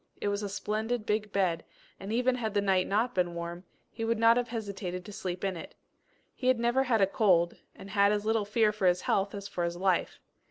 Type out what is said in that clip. It was a splendid big bed, and even had the night not been warm, he would not have hesitated to sleep in it. He had never had a cold, and had as little fear for his health as for his life.